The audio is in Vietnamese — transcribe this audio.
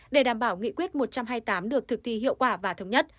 để đảm bảo nghị quyết một trăm hai mươi tám được thực thi hiệu quả và thống nhất